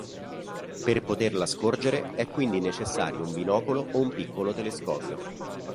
Per poterla scorgere è quindi necessario un binocolo o un piccolo telescopio.